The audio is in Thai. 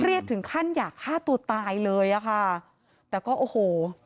ถึงขั้นอยากฆ่าตัวตายเลยอ่ะค่ะแต่ก็โอ้โห